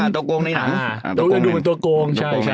ตัวกงในหนัง